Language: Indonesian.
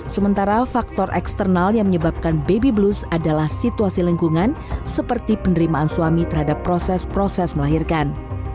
sementara faktor eksternal yang menyebabkan baby blues adalah situasi lingkungan seperti penerimaan suami terhadap proses proses melahirkan